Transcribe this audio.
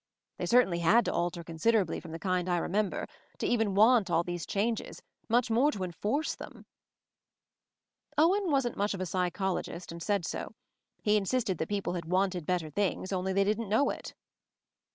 They certainly had to alter considerably from the kind I remember, to even want all these changes, much more to enforce them." Owen wasn't much of a psychologist, and said so. He insisted that people had wanted better things, only they did not know it.